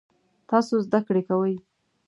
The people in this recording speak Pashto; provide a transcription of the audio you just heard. تاسو زده کړی کوئ؟